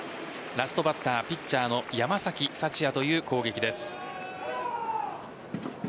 ラストバッターピッチャーの山崎福也という攻撃です。